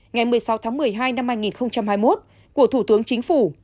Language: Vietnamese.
ngày một mươi sáu tháng một mươi hai năm hai nghìn hai mươi một của thủ tướng chính phủ